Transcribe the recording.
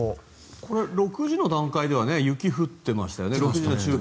これは６時の段階では雪が降っていましたね。